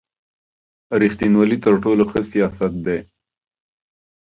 رېښتینوالي تر ټولو ښه سیاست دی.